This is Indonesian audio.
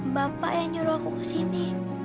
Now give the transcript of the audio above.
bapak yang nyuruh aku kesini